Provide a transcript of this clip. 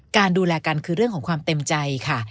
การดูแลกันคือเรื่องของความเต็มใจค่ะ